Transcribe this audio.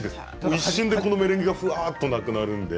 一瞬でこのメレンゲがふわっとなくなるので。